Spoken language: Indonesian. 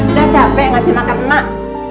udah capek ngasih makan emak